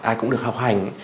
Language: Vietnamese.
ai cũng được học hành